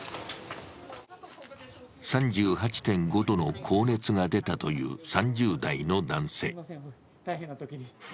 ３８．５度の高熱が出たという３０代の男性。